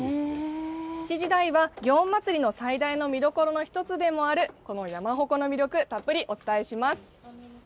７時台は祇園祭の最大の魅力の一つでもある、この山鉾の魅力、たっぷりお伝えします。